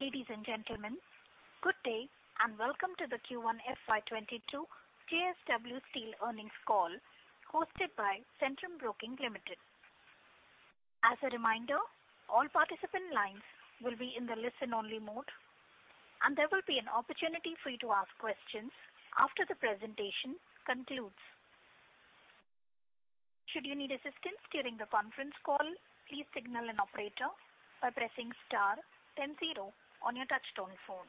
Ladies and gentlemen, good day and welcome to the Q1 FY 2022 JSW Steel earnings call hosted by Centrum Broking Limited. As a reminder, all participant lines will be in the listen-only mode, and there will be an opportunity for you to ask questions after the presentation concludes. Should you need assistance during the conference call, please signal an operator by pressing star then zero on your touchtone phone.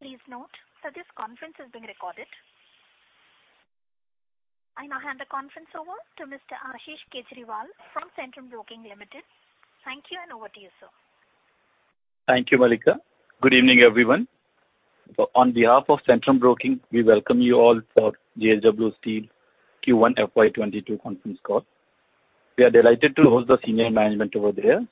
Please note that this conference is being recorded. I now hand the conference over to Mr. Ashish Kejriwal from Centrum Broking Limited. Thank you, and over to you, sir. Thank you, Mallika. Good evening, everyone. On behalf of Centrum Broking, we welcome you all for JSW Steel Q1 FY 2022 conference call. We are delighted to host the senior management over there.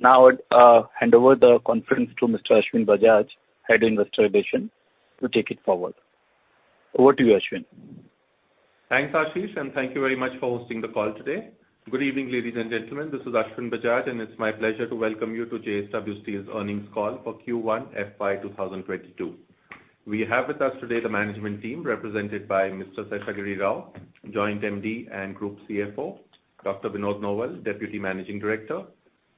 Now, I hand over the conference to Mr. Ashwin Bajaj, Head Investor Relations, to take it forward. Over to you, Ashwin. Thanks, Ashish, and thank you very much for hosting the call today. Good evening, ladies and gentlemen. This is Ashwin Bajaj, and it's my pleasure to welcome you to JSW Steel's earnings call for Q1 FY 2022. We have with us today the management team represented by Mr. Seshagiri Rao, Joint MD and Group CFO, Dr. Vinod Nowal, Deputy Managing Director,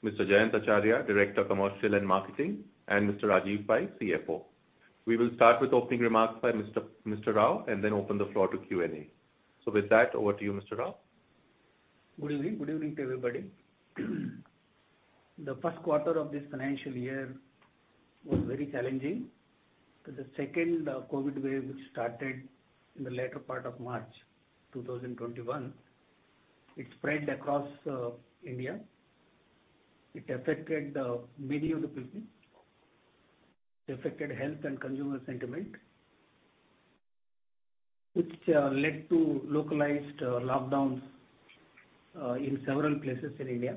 Mr. Jayant Acharya, Director of Commercial and Marketing, and Mr. Rajeev Pai, CFO. We will start with opening remarks by Mr. Rao and then open the floor to Q&A. With that, over to you, Mr. Rao. Good evening to everybody. The first quarter of this financial year was very challenging, with the second COVID wave, which started in the latter part of March 2021. It spread across India. It affected many of the people. It affected health and consumer sentiment, which led to localized lockdowns in several places in India.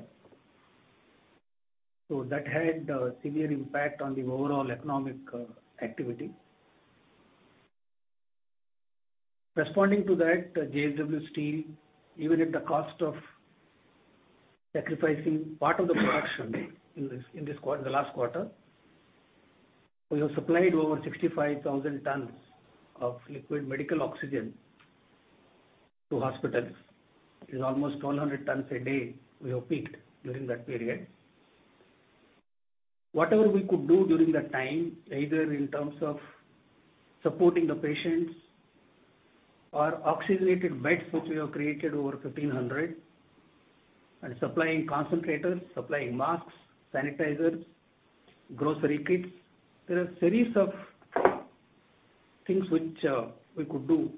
That had a severe impact on the overall economic activity. Responding to that, JSW Steel, even at the cost of sacrificing part of the production in the last quarter, we have supplied over 65,000 tons of liquid medical oxygen to hospitals. It is almost 100 tons a day we have peaked during that period. Whatever we could do during that time, either in terms of supporting the patients or oxygenated beds, which we have created over 1,500 and supplying concentrators, supplying masks, sanitizers, grocery kits. There are series of things which we could do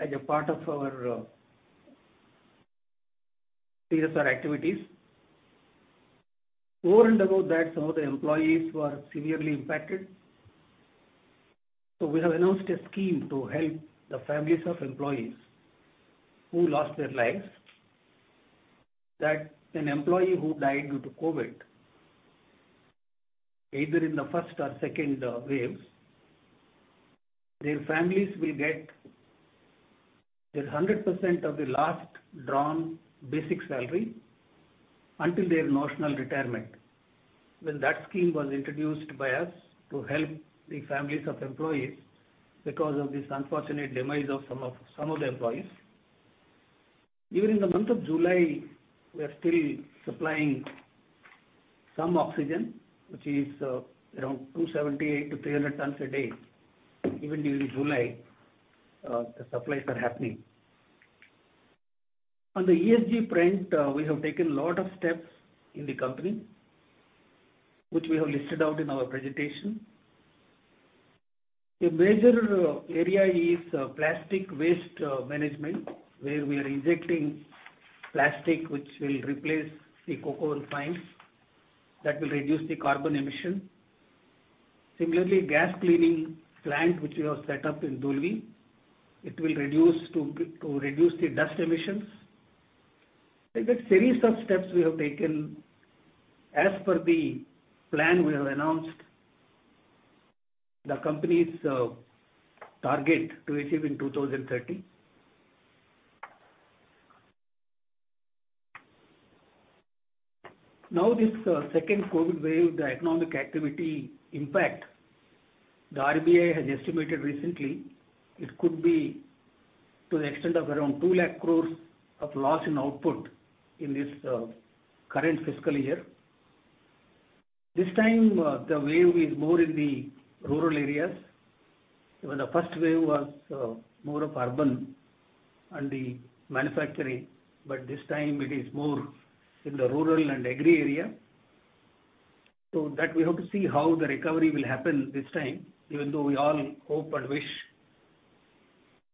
as a part of our CSR activities. More and above that, some of the employees were severely impacted. We have announced a scheme to help the families of employees who lost their lives, that an employee who died due to COVID, either in the first or second waves, their families will get their 100% of the last drawn basic salary until their notional retirement. Well, that scheme was introduced by us to help the families of employees because of this unfortunate demise of some of the employees. Even in the month of July, we are still supplying some oxygen, which is around 270-300 tons a day. Even during July, the supplies are happening. On the ESG front, we have taken a lot of steps in the company, which we have listed out in our presentation. A major area is plastic waste management, where we are injecting plastic, which will replace the coke oven fines. That will reduce the carbon emission. Similarly, gas cleaning plant, which we have set up in Dolvi, it will reduce the dust emissions. There's a series of steps we have taken as per the plan we have announced the company's target to achieve in 2030. This second Covid wave, the economic activity impact, the RBI has estimated recently it could be to the extent of around 2 lakh crore of loss in output in this current fiscal year. This time, the wave is more in the rural areas, where the first wave was more of urban and the manufacturing, but this time it is more in the rural and agri area. That we have to see how the recovery will happen this time, even though we all hope and wish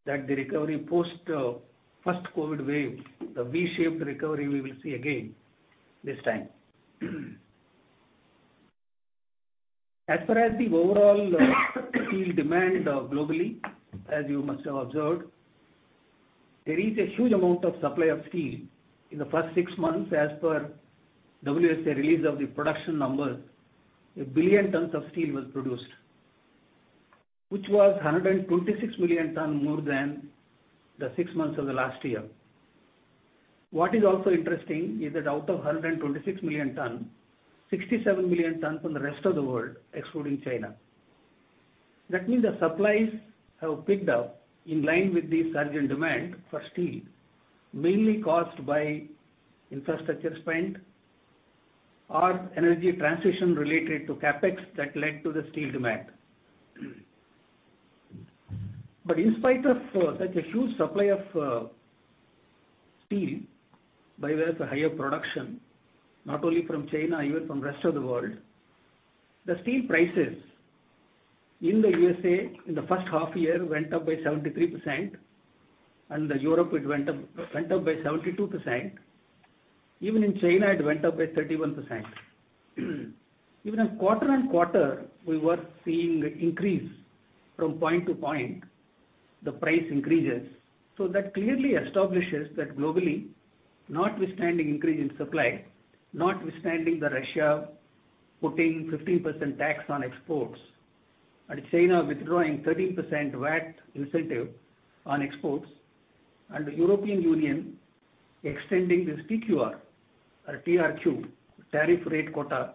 that the recovery post first COVID wave, the V-shaped recovery we will see again this time. As far as the overall steel demand globally, as you must have observed, there is a huge amount of supply of steel. In the first six months, as per the release of the production numbers, 1 billion tons of steel was produced. Which was 126 million tons more than the six months of the last year. What is also interesting is that out of 126 million tons, 67 million tons from the rest of the world excluding China. That means the supplies have picked up in line with the surge in demand for steel, mainly caused by infrastructure spend or energy transition related to CapEx that led to the steel demand. In spite of such a huge supply of steel by way of the higher production, not only from China, even from rest of the world, the steel prices in the USA in the first half year went up by 73%, and the Europe it went up by 72%. Even in China, it went up by 31%. Even on quarter-on-quarter, we were seeing increase from point to point, the price increases. That clearly establishes that globally, notwithstanding increase in supply, notwithstanding Russia putting 15% tax on exports and China withdrawing 13% VAT incentive on exports and the European Union extending this TQR or TRQ, tariff rate quota,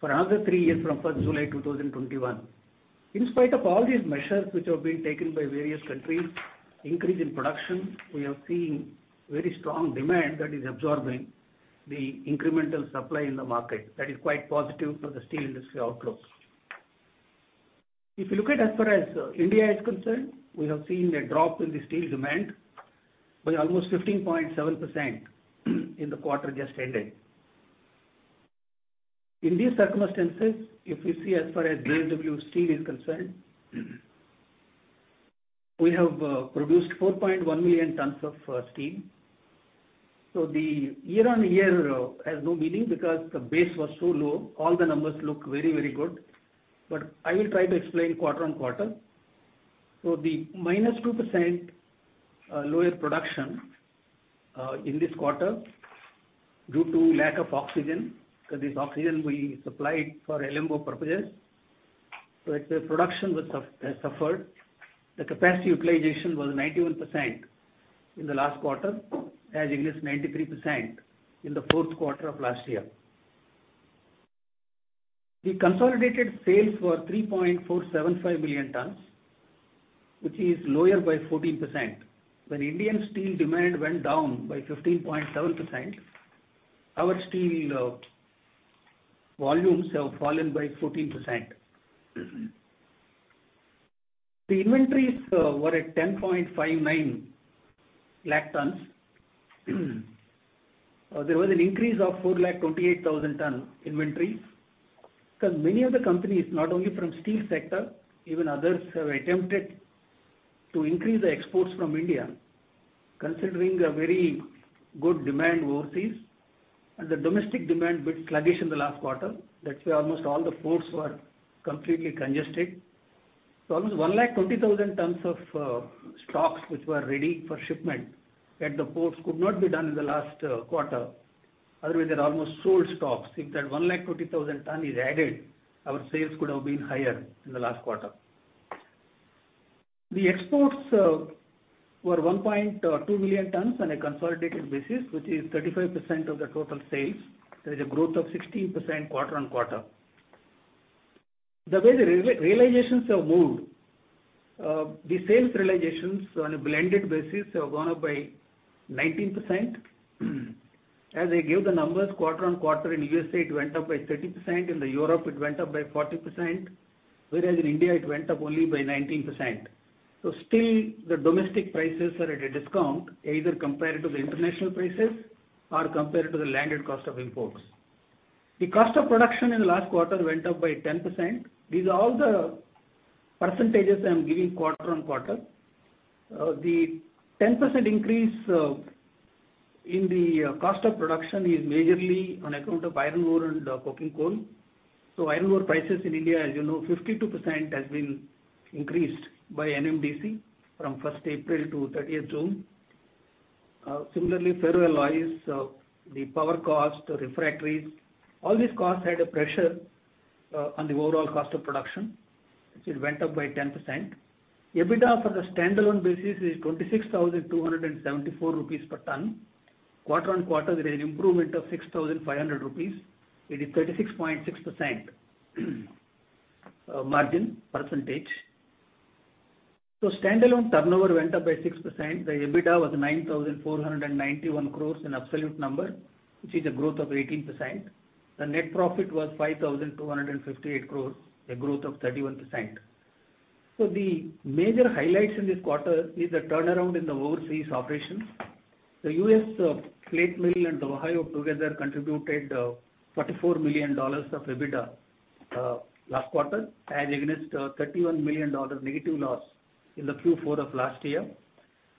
for another three years from 1st July 2021. In spite of all these measures which have been taken by various countries, increase in production, we have seen very strong demand that is absorbing the incremental supply in the market. That is quite positive for the steel industry outlook. If you look at as far as India is concerned, we have seen a drop in the steel demand by almost 15.7% in the quarter just ended. In these circumstances, if we see as far as JSW Steel is concerned, we have produced 4.1 million tons of steel. The year-on-year has no meaning because the base was so low, all the numbers look very good. I will try to explain quarter-on-quarter. The -2% lower production in this quarter due to lack of oxygen, because this oxygen we supplied for LMO purposes. The production has suffered. The capacity utilization was 91% in the last quarter, as against 93% in the fourth quarter of last year. The consolidated sales were 3.475 million tons, which is lower by 14%. When Indian steel demand went down by 15.7%, our steel volumes have fallen by 14%. The inventories were at 10.59 lakh tons. There was an increase of 428,000 tons inventories, because many of the companies, not only from steel sector, even others have attempted to increase the exports from India, considering a very good demand overseas and the domestic demand bit sluggish in the last quarter. Almost all the ports were completely congested. Almost 120,000 tons of stocks which were ready for shipment at the ports could not be done in the last quarter. Otherwise, they're almost sold stocks. If that 120,000 tons is added, our sales could have been higher in the last quarter. The exports were 1.2 million tons on a consolidated basis, which is 35% of the total sales. There is a growth of 16% quarter-on-quarter. The way the realizations have moved, the sales realizations on a blended basis have gone up by 19%. As I give the numbers quarter-on-quarter, in USA, it went up by 30%, in the Europe it went up by 40%, whereas in India it went up only by 19%. Still, the domestic prices are at a discount either compared to the international prices or compared to the landed cost of imports. The cost of production in the last quarter went up by 10%. These are all the percentages I'm giving quarter-on-quarter. The 10% increase in the cost of production is majorly on account of iron ore and coking coal. iron ore prices in India, as you know, 52% has been increased by NMDC from 1st April to 30th June. Similarly, ferro alloys, the power cost, the refractories, all these costs had a pressure on the overall cost of production, which went up by 10%. EBITDA for the standalone basis is Rs. 26,274 per ton. Quarter-on-quarter, there is an improvement of 6,500 rupees. It is 36.6% margin percentage. Standalone turnover went up by 6%. The EBITDA was 9,491 crores in absolute number, which is a growth of 18%. The net profit was 5,258 crores, a growth of 31%. The major highlights in this quarter is the turnaround in the overseas operations. The U.S. plate mill and Ohio together contributed $44 million of EBITDA last quarter, as against $31 million negative loss in the Q4 of last year.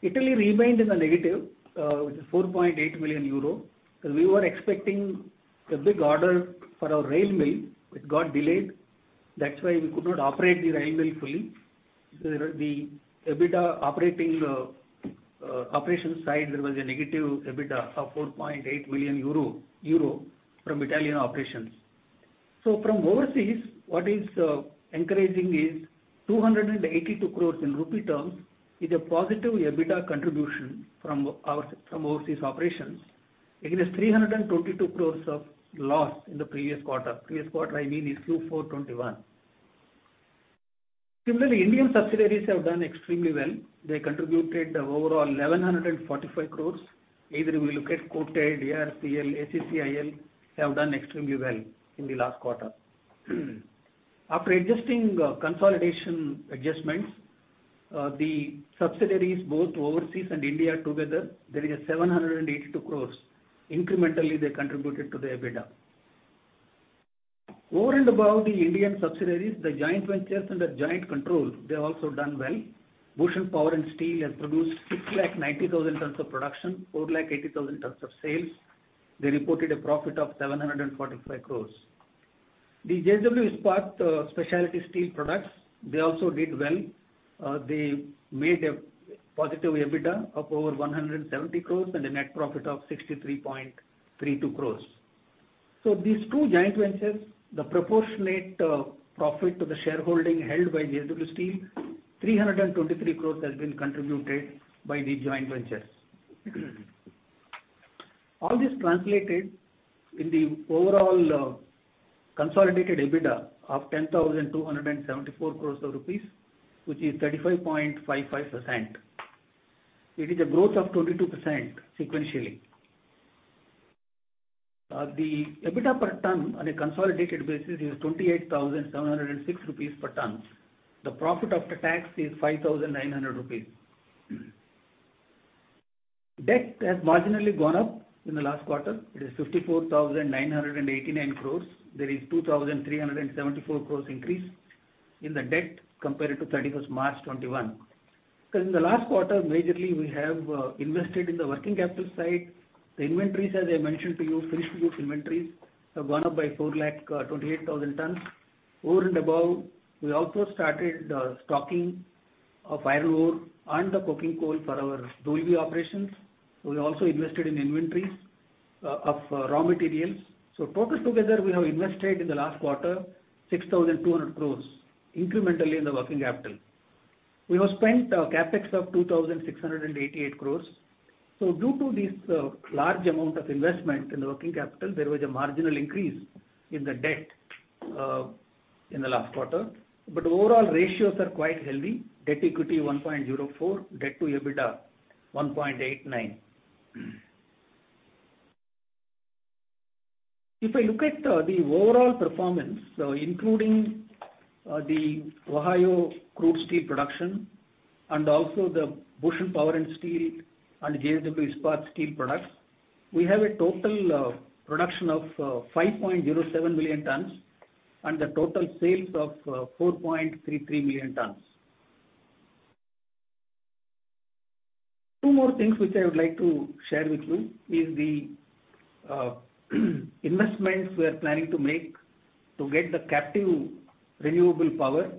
Italy remained in the negative with 4.8 million euro, because we were expecting a big order for our rail mill. It got delayed. That's why we could not operate the rail mill fully. The EBITDA operation side, there was a negative EBITDA of 4.8 million euro from Italian operations. From overseas, what is encouraging is 282 crores in rupee terms is a positive EBITDA contribution from overseas operations against 322 crores of loss in the previous quarter. Previous quarter, I mean is Q4 2021. Similarly, Indian subsidiaries have done extremely well. They contributed overall 1,145 crores. Either we look at coated ARCL, ACCIL, have done extremely well in the last quarter. After adjusting consolidation adjustments, the subsidiaries both overseas and India together, there is 782 crores. Incrementally, they contributed to the EBITDA. Over and above the Indian subsidiaries, the joint ventures under joint control, they have also done well. Bhushan Power & Steel has produced 690,000 tons of production, 480,000 tons of sales. They reported a profit of 745 crores. The JSW Ispat Special Products, they also did well. They made a positive EBITDA of over 170 crores and a net profit of 63.32 crores. These two joint ventures, the proportionate profit to the shareholding held by JSW Steel, 323 crores has been contributed by the joint ventures. All this translated in the overall consolidated EBITDA of INR 10,274 crores, which is 35.55%. It is a growth of 22% sequentially. The EBITDA per ton on a consolidated basis is 28,706 rupees per ton. The profit after tax is 5,900 crores rupees. Debt has marginally gone up in the last quarter. It is 54,989 crores. There is 2,374 crores increase in the debt compared to 31st March 2021. In the last quarter, majorly, we have invested in the working capital side. The inventories, as I mentioned to you, finished goods inventories have gone up by 4 lakh 28,000 tons. Over and above, we also started stocking of iron ore and the coking coal for our Dolvi operations. We also invested in inventories of raw materials. Total together, we have invested in the last quarter 6,200 crores incrementally in the working capital. We have spent a CapEx of 2,688 crores. Due to this large amount of investment in working capital, there was a marginal increase in the debt in the last quarter. Overall ratios are quite healthy. Debt equity 1.04x, debt to EBITDA 1.89x. If I look at the overall performance, including the Ohio crude steel production and also the Bhushan Power & Steel and JSW Ispat Special Products, we have a total production of 5.07 million tons and the total sales of 4.33 million tons. Two more things which I would like to share with you is the investments we are planning to make to get the captive renewable power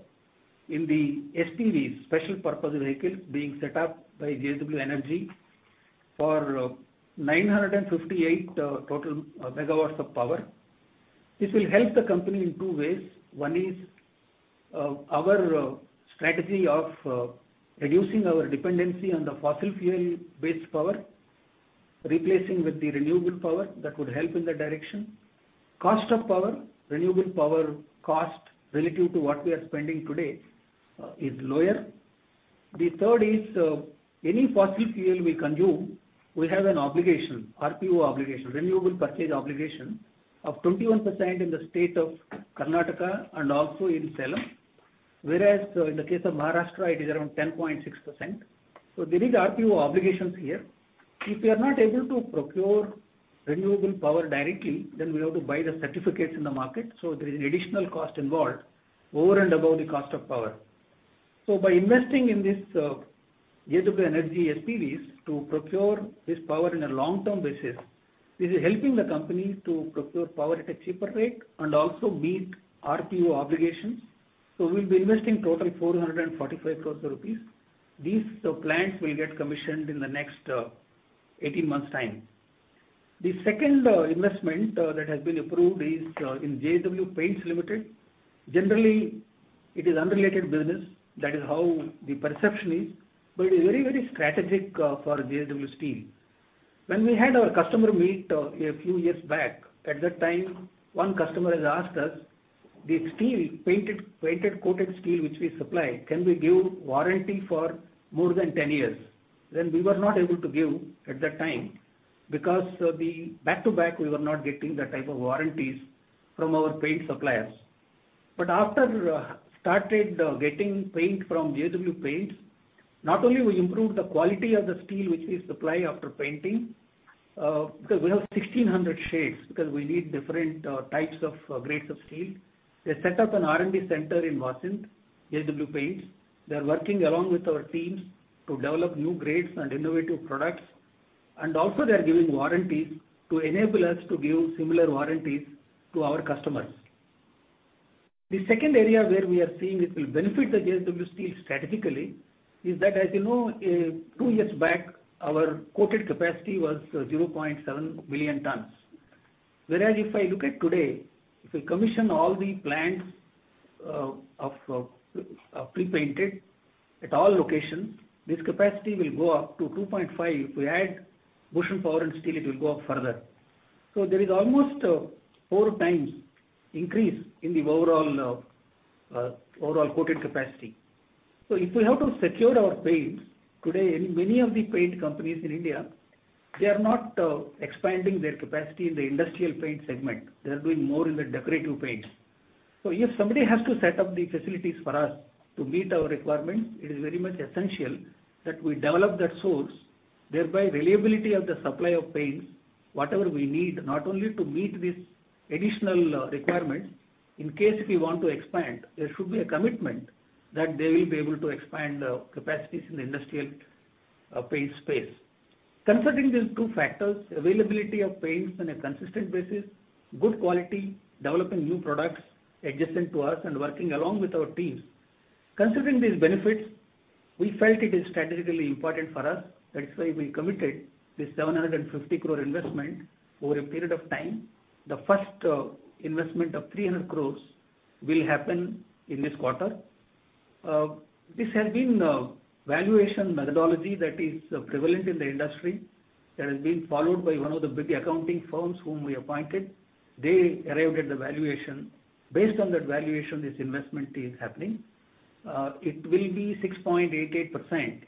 in the SPV, Special Purpose Vehicle, being set up by JSW Energy for 958 total megawatts of power. This will help the company in two ways. One is, our strategy of reducing our dependency on the fossil fuel-based power, replacing with the renewable power that would help in that direction. Cost of power, renewable power cost relative to what we are spending today, is lower. The third is, any fossil fuel we consume, we have an obligation, RPO obligation, Renewable Purchase Obligation, of 21% in the state of Karnataka and also in Salem. Whereas, in the case of Maharashtra, it is around 10.6%. There is RPO obligations here. If we are not able to procure renewable power directly, then we have to buy the certificates in the market, so there is additional cost involved over and above the cost of power. By investing in this JSW Energy SPVs to procure this power in a long-term basis, this is helping the company to procure power at a cheaper rate and also meet RPO obligations. We'll be investing total 445 crores rupees. These plants will get commissioned in the next 18 months' time. The second investment that has been approved is in JSW Paints Limited. Generally, it is unrelated business. That is how the perception is. It is very strategic for JSW Steel. When we had our customer meet a few years back, at that time, one customer has asked us, "The painted coated steel which we supply, can we give warranty for more than 10 years?" We were not able to give at that time because back to back, we were not getting that type of warranties from our paint suppliers. After started getting paint from JSW Paints, not only we improved the quality of the steel which we supply after painting, because we have 1,600 shades, because we need different types of grades of steel. They set up an R&D center in Vasind, JSW Paints. They're working along with our teams to develop new grades and innovative products. Also they're giving warranties to enable us to give similar warranties to our customers. The second area where we are seeing it will benefit the JSW Steel strategically is that, as you know, two years back, our coated capacity was 0.7 million tons. Whereas if I look at today, if we commission all the plants of pre-painted at all locations, this capacity will go up to 2.5. If we add Bhushan Power and Steel, it will go up further. There is almost four times increase in the overall coated capacity. If we have to secure our paints today, in many of the paint companies in India, they are not expanding their capacity in the industrial paint segment. They are doing more in the decorative paints. If somebody has to set up the facilities for us to meet our requirements, it is very much essential that we develop that source, thereby reliability of the supply of paints, whatever we need, not only to meet these additional requirements, in case if we want to expand, there should be a commitment that they will be able to expand capacities in industrial paint space. Considering these two factors, availability of paints on a consistent basis, good quality, developing new products adjacent to us and working along with our teams. Considering these benefits, we felt it is strategically important for us. That is why we committed this 750 crore investment over a period of time. The first investment of 300 crore will happen in this quarter. This has been valuation methodology that is prevalent in the industry, that has been followed by one of the big accounting firms whom we appointed. They arrived at the valuation. Based on that valuation, this investment is happening. It will be 6.88%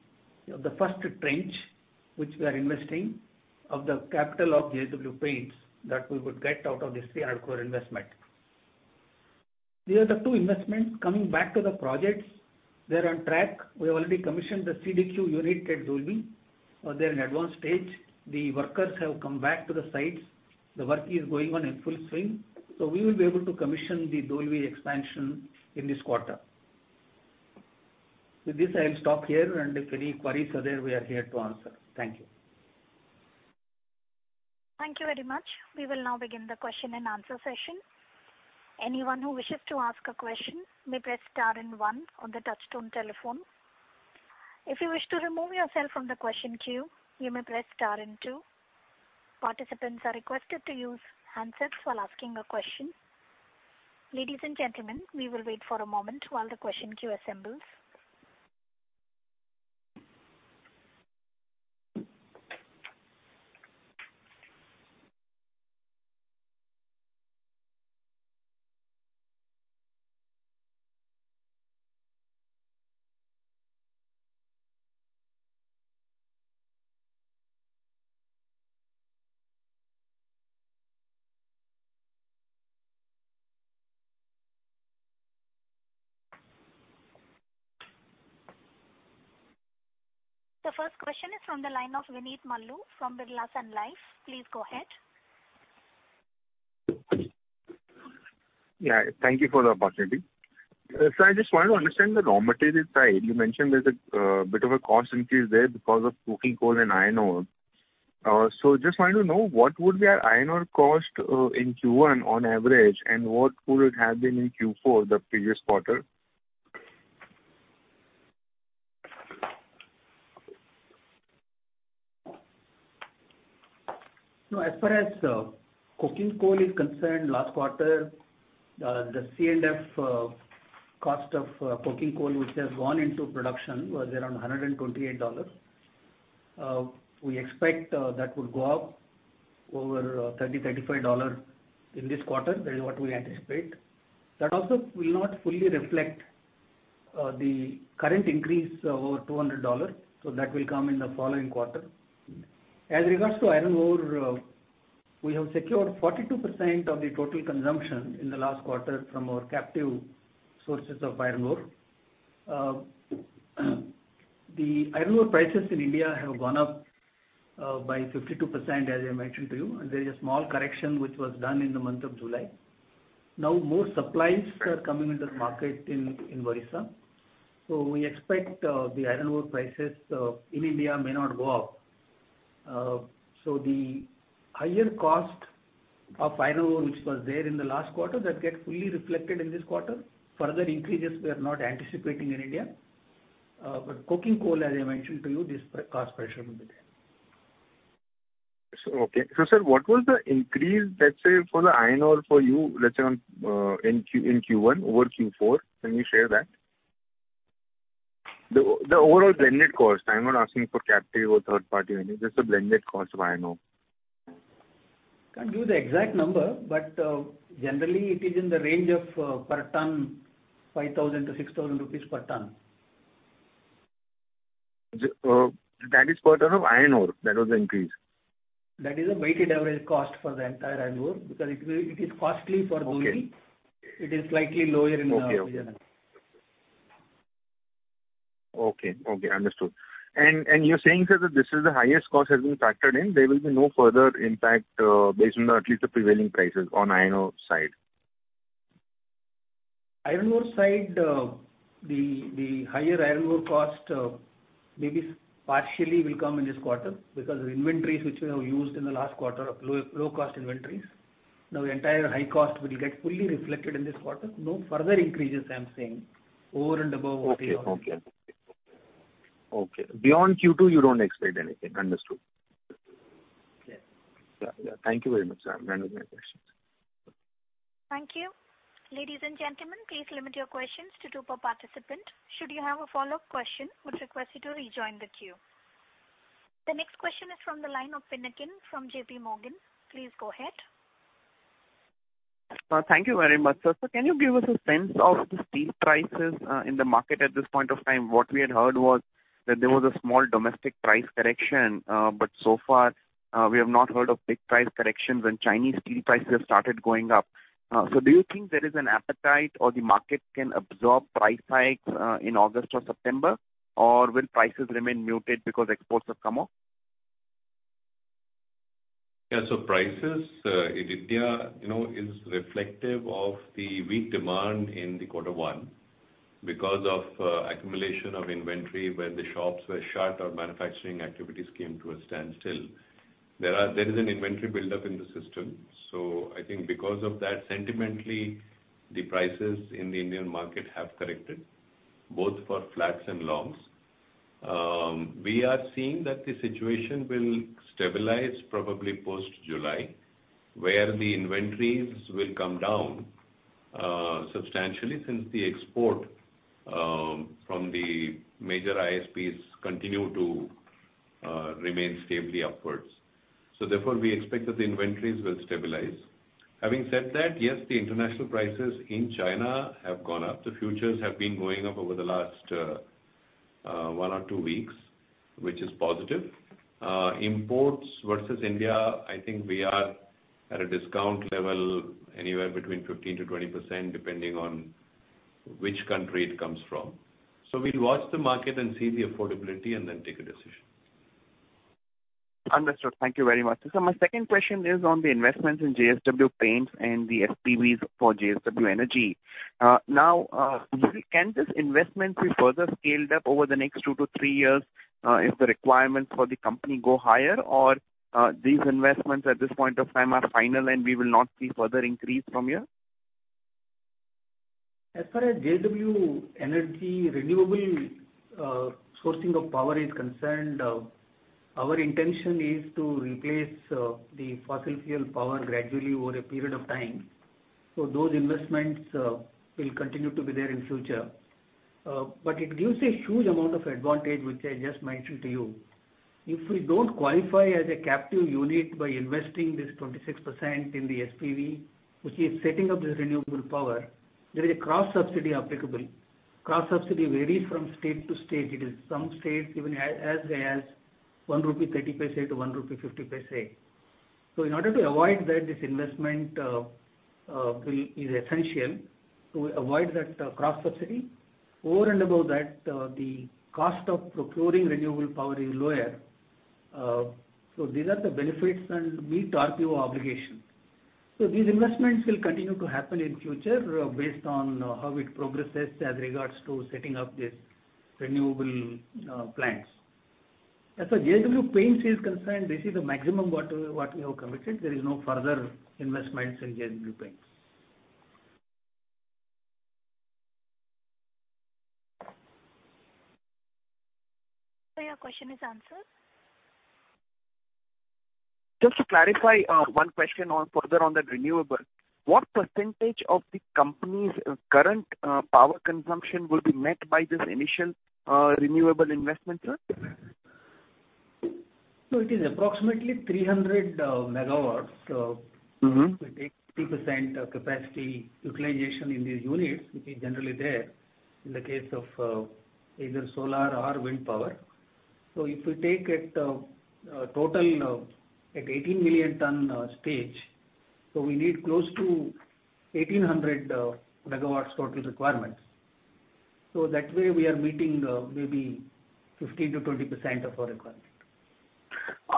of the first tranche, which we are investing of the capital of JSW Paints that we would get out of this INR 300 crore investment. These are the two investments. Coming back to the projects, they're on track. We have already commissioned the CDQ unit at Dolvi or they're in advanced stage. The workers have come back to the sites. The work is going on in full swing. We will be able to commission the Dolvi expansion in this quarter. With this, I'll stop here and if any queries are there, we are here to answer. Thank you. Thank you very much. We will now begin the question-and-answer session. Anyone who wishes to ask a question may press star then one on the touchtone telephone. If you wish to remove yourself from the question queue, you may press star then two. Participants are requested to use handset while asking a question. Ladies and gentlemen, we will wait for a moment while the question queue assembles. The first question is from the line of Vineet Maloo from Birla Sun Life. Please go ahead. Yeah. Thank you for the opportunity. I just wanted to understand the raw material side. You mentioned there's a bit of a cost increase there because of coking coal and iron ore. Just want to know what would be our iron ore cost in Q1 on average, and what could it have been in Q4, the previous quarter? As far as coking coal is concerned, last quarter, the C&F cost of coking coal which has gone into production was around $128. We expect that would go up over $30, $35 in this quarter. That is what we anticipate. That also will not fully reflect the current increase over $200. That will come in the following quarter. As regards to iron ore, we have secured 42% of the total consumption in the last quarter from our captive sources of iron ore. The iron ore prices in India have gone up by 52%, as I mentioned to you, and there is a small correction which was done in the month of July. Now more supplies are coming into the market in Odisha. We expect the iron ore prices in India may not go up. The higher cost of iron ore which was there in the last quarter, that gets fully reflected in this quarter. Further increases, we are not anticipating in India. Coking coal, as I mentioned to you, this cost pressure will be there. Okay. Sir, what was the increase, let's say, for the iron ore for you, let's say in Q1 over Q4? Can you share that? The overall blended cost. I'm not asking for captive or third party or any, just the blended cost of iron ore. Can't give the exact number, but generally it is in the range of per ton, 5,000-6,000 rupees per ton. That is per ton of iron ore, that was the increase? That is a weighted average cost for the entire iron ore because it is costly for Dolvi. Okay. It is slightly lower in Vizag. Okay. Understood. You're saying, sir, that this is the highest cost has been factored in. There will be no further impact based on at least the prevailing prices on iron ore side. Iron ore side, the higher iron ore cost. Maybe partially will come in this quarter because the inventories which we have used in the last quarter are low-cost inventories. Now the entire high cost will get fully reflected in this quarter. No further increases, I'm saying, over and above what we got. Okay. Beyond Q2 you don't expect anything. Understood. Yes. Yeah. Thank you very much. I'm done with my questions. Thank you. Ladies and gentlemen, please limit your questions to two per participant. Should you have a follow-up question, would request you to rejoin the queue. The next question is from the line of Pinakin from JPMorgan. Please go ahead. Thank you very much, sir. Can you give us a sense of the steel prices in the market at this point of time? What we had heard was that there was a small domestic price correction, but so far we have not heard of big price corrections and Chinese steel prices have started going up. Do you think there is an appetite or the market can absorb price hikes in August or September? Or will prices remain muted because exports have come off? Prices in India is reflective of the weak demand in the quarter one because of accumulation of inventory when the shops were shut or manufacturing activities came to a standstill. There is an inventory buildup in the system. I think because of that, sentimentally, the prices in the Indian market have corrected both for flats and longs. We are seeing that the situation will stabilize probably post-July, where the inventories will come down substantially since the export from the major ISPs continue to remain stably upwards. Therefore, we expect that the inventories will stabilize. Having said that, yes, the international prices in China have gone up. The futures have been going up over the last one or two weeks, which is positive. Imports versus India, I think we are at a discount level anywhere between 15%-20%, depending on which country it comes from. We'll watch the market and see the affordability and then take a decision. Understood. Thank you very much, sir. My second question is on the investments in JSW Paints and the SPVs for JSW Energy. Now, can this investment be further scaled up over the next two to three years if the requirements for the company go higher? Or these investments at this point of time are final, and we will not see further increase from here? As far as JSW Energy renewable sourcing of power is concerned, our intention is to replace the fossil fuel power gradually over a period of time. Those investments will continue to be there in future. It gives a huge amount of advantage, which I just mentioned to you. If we don't qualify as a captive unit by investing this 26% in the SPV, which is setting up this renewable power, there is a cross-subsidy applicable. Cross-subsidy varies from state to state. It is some states even as high as 1.30-1.50 rupee. In order to avoid that, this investment is essential to avoid that cross-subsidy. Over and above that, the cost of procuring renewable power is lower. These are the benefits and meet RPO obligation. These investments will continue to happen in future based on how it progresses as regards to setting up these renewable plants. As for JSW Paints is concerned, this is the maximum what we have committed. There is no further investments in JSW Paints. Sir, your question is answered. Just to clarify one question further on that renewable. What percentage of the company's current power consumption will be met by this initial renewable investment, sir? It is approximately 300 MW. If we take 30% capacity utilization in these units, which is generally there in the case of either solar or wind power. If you take it total at 18 million ton stage, we need close to 1,800 MW total requirements. That way we are meeting maybe 15%-20% of our requirement.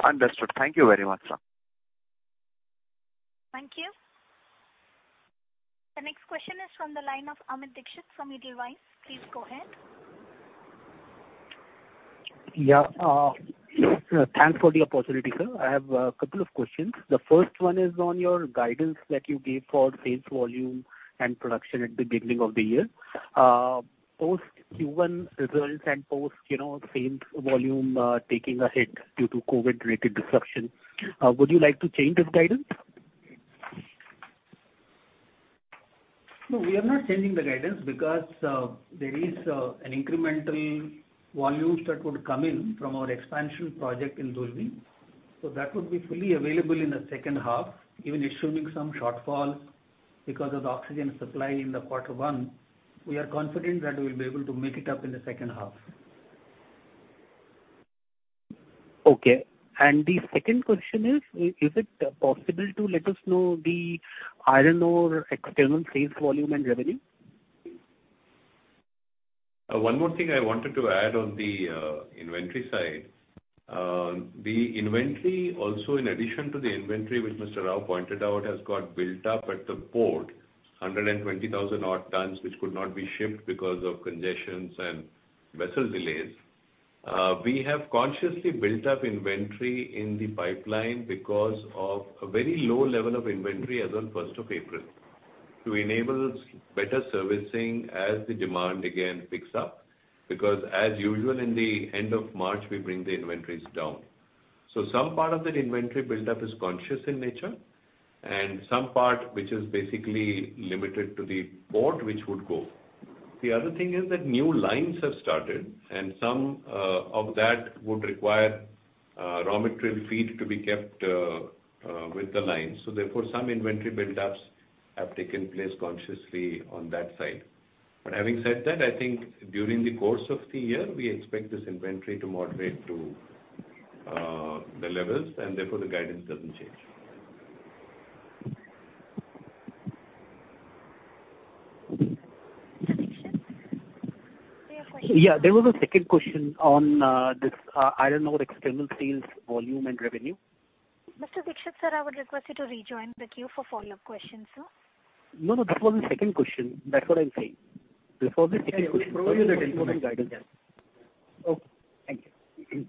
Understood. Thank you very much, sir. Thank you. The next question is from the line of Amit Dixit from Edelweiss. Please go ahead. Yeah. Thanks for the opportunity, sir. I have a couple of questions. The first one is on your guidance that you gave for sales volume and production at the beginning of the year. Post Q1 results and post sales volume taking a hit due to COVID-related disruption, would you like to change this guidance? No, we are not changing the guidance because there is an incremental volume that would come in from our expansion project in Dolvi. That would be fully available in the second half. Even assuming some shortfall because of the oxygen supply in the quarter one, we are confident that we'll be able to make it up in the second half. Okay. The second question is it possible to let us know the iron ore external sales volume and revenue? One more thing I wanted to add on the inventory side. The inventory also, in addition to the inventory which Mr. Rao pointed out, has got built up at the port. 120,000 odd tons, which could not be shipped because of congestions and vessel delays. We have consciously built up inventory in the pipeline because of a very low level of inventory as on 1st of April, to enable better servicing as the demand again picks up. As usual, in the end of March, we bring the inventories down. Some part of that inventory build-up is conscious in nature, and some part, which is basically limited to the port, which would go. The other thing is that new lines have started, and some of that would require raw material feed to be kept with the line. Therefore, some inventory build-ups have taken place consciously on that side. Having said that, I think during the course of the year, we expect this inventory to moderate to the levels, and therefore the guidance doesn't change. Dixit, do you have questions? Yeah. There was a second question on this iron ore external sales volume and revenue. Mr. Dixit, sir, I would request you to rejoin the queue for follow-up questions, sir. No, this was the second question. That's what I'm saying. This was the second question. We will provide you that info in the guidance. Okay. Thank you.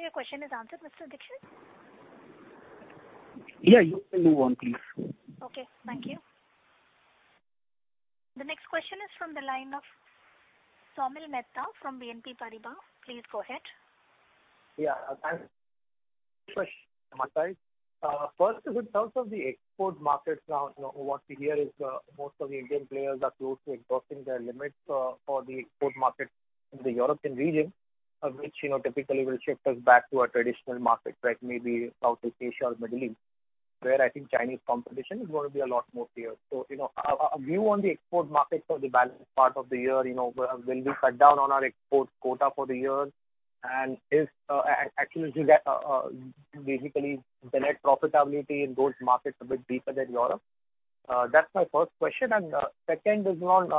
Your question is answered, Mr. Dixit? Yeah, you can move on, please. Okay. Thank you. The next question is from the line of Saumil Mehta from BNP Paribas. Please go ahead. Yeah. Thanks. Two questions from my side. First is in terms of the export markets now. What we hear is most of the Indian players are close to exhausting their limits for the export market in the European region, which typically will shift us back to a traditional market, like maybe South Asia or Middle East, where I think Chinese competition is going to be a lot more clear. A view on the export market for the balance part of the year, will we cut down on our export quota for the year? Actually, is that basically the net profitability in those markets a bit deeper than Europe? That's my first question. Second is around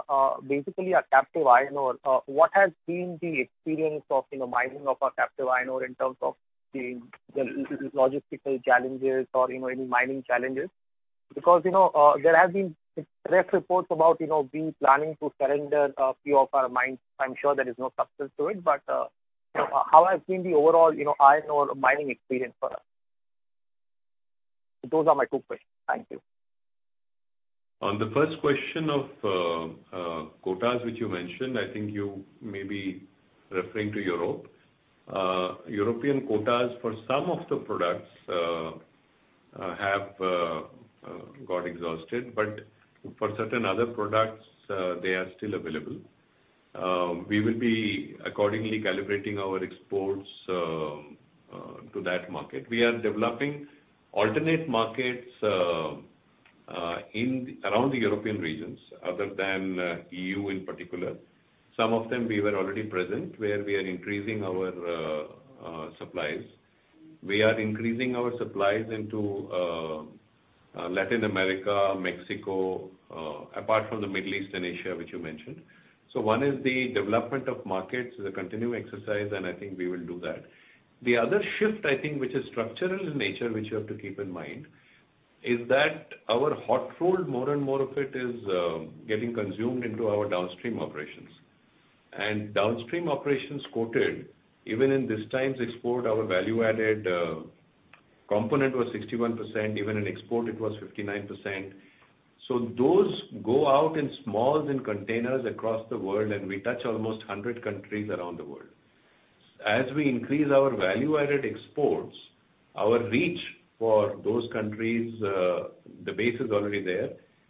basically our captive iron ore. What has been the experience of mining of our captive iron ore in terms of the logistical challenges or any mining challenges? There has been press reports about we planning to surrender a few of our mines. I'm sure there is no substance to it, how has been the overall iron ore mining experience for us? Those are my two questions. Thank you. On the first question of quotas which you mentioned, I think you may be referring to Europe. European quotas for some of the products have got exhausted, but for certain other products, they are still available. We will be accordingly calibrating our exports to that market. We are developing alternate markets around the European regions other than E.U. in particular. Some of them we were already present, where we are increasing our supplies. We are increasing our supplies into Latin America, Mexico, apart from the Middle East and Asia, which you mentioned. One is the development of markets is a continuing exercise, and I think we will do that. The other shift I think, which is structural in nature, which you have to keep in mind, is that our hot rolled, more and more of it is getting consumed into our downstream operations. Downstream operations quoted, even in this times export, our value-added component was 61%. Even in export it was 59%. Those go out in smalls and containers across the world, and we touch almost 100 countries around the world. As we increase our value-added exports, our reach for those countries, the base is already there.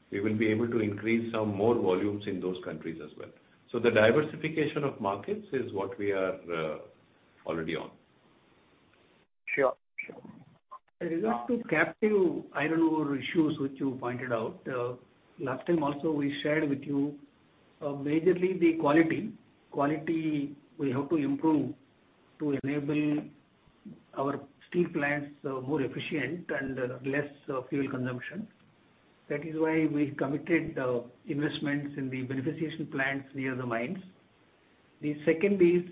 We will be able to increase some more volumes in those countries as well. The diversification of markets is what we are already on. Sure. In regard to captive iron ore issues which you pointed out. Last time also we shared with you majorly the quality. Quality we have to improve to enable our steel plants more efficient and less fuel consumption. That is why we committed investments in the beneficiation plants near the mines. The second is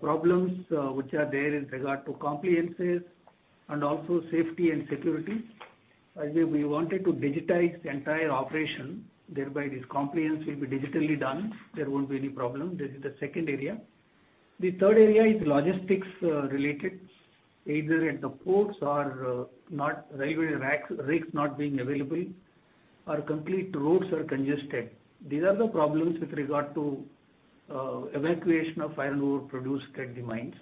problems which are there in regard to compliances and also safety and security. As we wanted to digitize the entire operation, thereby this compliance will be digitally done. There won't be any problem. This is the second area. The third area is logistics related, either at the ports or railway racks not being available or complete roads are congested. These are the problems with regard to evacuation of iron ore produced at the mines.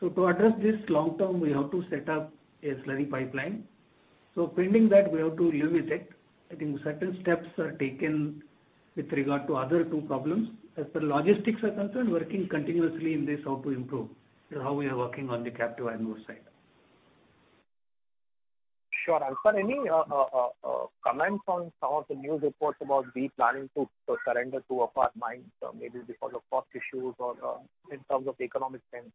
To address this long term, we have to set up a slurry pipeline. Pending that, we have to live with it. I think certain steps are taken with regard to other two problems. As for logistics are concerned, working continuously in this how to improve. This is how we are working on the captive iron ore side. Sure. And sir, any comments on some of the news reports about we planning to surrender two of our mines maybe because of cost issues or in terms of economic trends?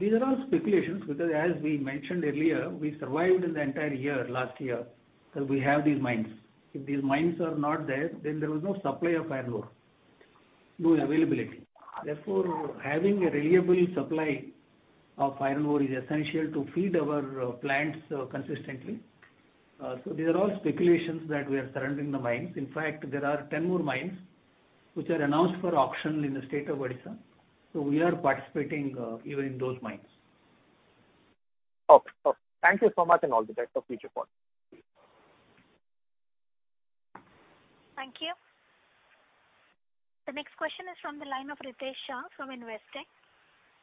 These are all speculations because as we mentioned earlier, we survived in the entire year last year because we have these mines. If these mines are not there, then there was no supply of iron ore, no availability. Therefore, having a reliable supply of iron ore is essential to feed our plants consistently. These are all speculations that we are surrendering the mines. In fact, there are 10 more mines which are announced for auction in the state of Odisha. We are participating even in those mines. Okay. Thank you so much, and all the best for future calls. Thank you. The next question is from the line of Ritesh Shah from Investec.